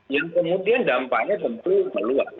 yang kemudian dampaknya tentu meluas